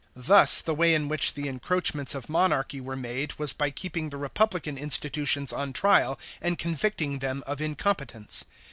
Thus the way in which the encroachments of monarchy were made was by keeping the republican institutions on trial and convicting them of incompetence.